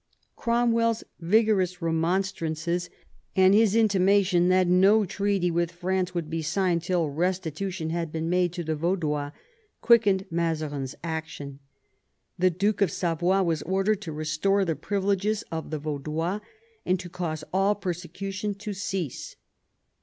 Cromwell's vigorous re monstrances, and his intimation that no treaty with France would be signed till restitution had been made to the Vaudois, quickened Mazarin's action. The Duke of Savoy was ordered to restore the privileges of the Vaudois, and to cause all persecution to cease.